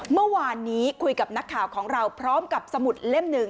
เมื่อวานนี้คุยกับนักข่าวของเราพร้อมกับสมุดเล่มหนึ่ง